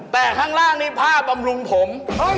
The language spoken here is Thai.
แต่ข้างล่างนี่ผ้าบำรุงผม